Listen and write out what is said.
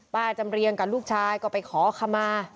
จำเรียงกับลูกชายก็ไปขอขมา